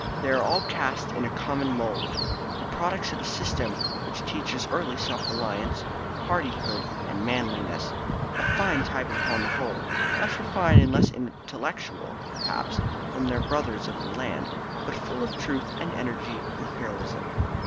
They are all cast in a common mould, the products of a system which teaches early self reliance, hardihood, and manliness a fine type upon the whole; less refined and less intellectual, perhaps, than their brothers of the land, but full of truth and energy and heroism.